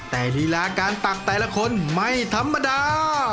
แต่ลีลาการตักแต่ละคนไม่ธรรมดา